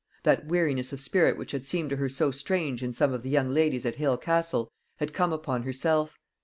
That weariness of spirit which had seemed to her so strange in some of the young ladies at Hale Castle had come upon herself.